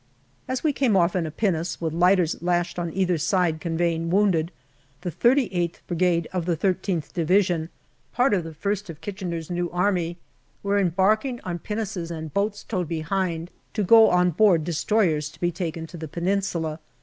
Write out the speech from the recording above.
JULY 163 As we came off in a pinnace, with lighters lashed on either side conveying wounded, the 38th Brigade of the I3th Division, part of the first of Kitchener's New Army, were embarking on pinnaces and boats towed behind to go on board destroyers to be taken to the Peninsula.